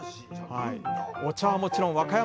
お茶はもちろん和歌山産！